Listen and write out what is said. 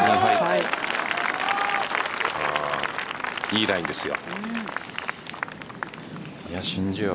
いいラインですよ。